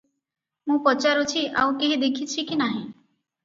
ମୁଁ ପଚାରୁଛି ଆଉ କେହି ଦେଖିଛି କି ନାହିଁ?